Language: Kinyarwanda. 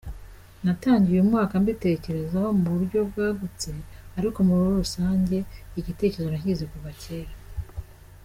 Natangiye uyu mwaka mbitekerezaho mu buryo bwagutse ariko muri rusange igitekerezo nakigize kuva kera.